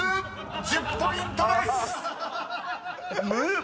１０ポイントです！］